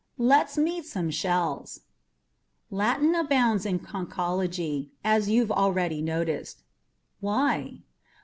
LET'S MEET SOME SHELLS Latin abounds in conchology, as you've already noticed. Why?